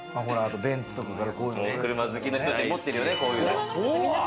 車好きの人って、持ってるよね、こういうの。